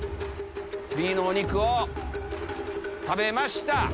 Ｂの肉を食べました。